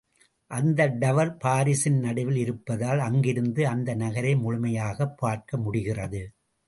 அந்த டவர் பாரிசின் நடுவில் இருப்பதால் அங்கிருந்து அந்த நகரை முழுமையாகப் பார்க்க முடிகிறது.